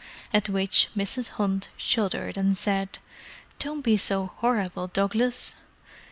At which Mrs. Hunt shuddered and said, "Don't be so horrible, Douglas!"